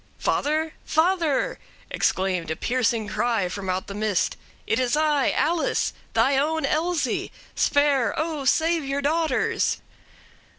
"'Father? father!' exclaimed a piercing cry from out the mist; 'it is I! Alice! thy own Elsie! spare, O! save your daughters!'